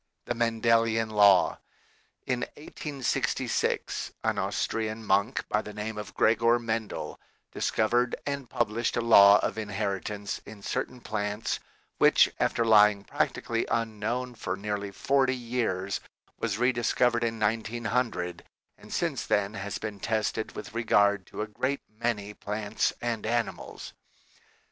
THE MENDELIAN LAW In 1866 an Austrian monk by the name of Gregor Mendel discovered and published a law of inheritance in certain plants, which, after lying practically unknown for nearly forty years, was rediscovered in 1900 and since then has been tested with regard to a great many plants and animals.